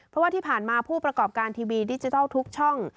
เพราะว่าที่ผ่านมาผู้ประกอบการทีวีดิจิทัลทุกช่อง